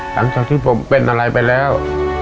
ตั้งแต่ที่ผมเป็นอะไรไปแล้ว